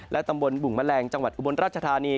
และตำบลบุงมะแรงจังหวัดอุบลราชธานี